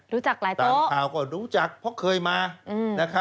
รู้จักหลายโต๊ะต่างคราวก็รู้จักเพราะเคยมา